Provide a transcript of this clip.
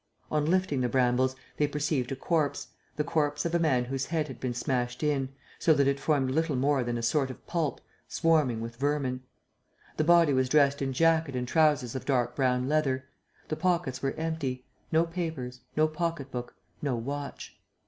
On lifting the brambles, they perceived a corpse, the corpse of a man whose head had been smashed in, so that it formed little more than a sort of pulp, swarming with vermin. The body was dressed in jacket and trousers of dark brown leather. The pockets were empty: no papers, no pocket book, no watch.